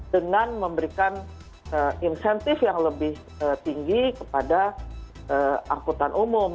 dengan memberikan insentif yang lebih tinggi kepada angkutan umum